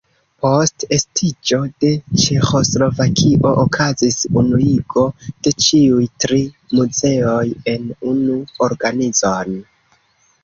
Post estiĝo de Ĉeĥoslovakio okazis unuigo de ĉiuj tri muzeoj en unu organizon.